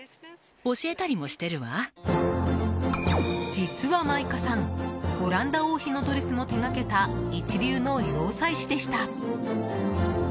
実は、マイカさんオランダ王妃のドレスも手がけた一流の洋裁師でした。